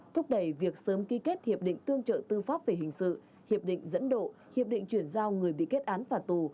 thúc đẩy việc sớm ký kết hiệp định tương trợ tư pháp về hình sự hiệp định dẫn độ hiệp định chuyển giao người bị kết án phạt tù